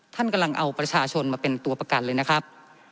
ท่านกำลังเอาประชาชนมาเป็นตัวประกันเลยนะครับ